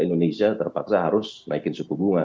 indonesia terpaksa harus naikin suku bunga